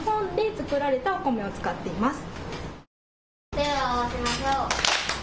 手を合わせましょう。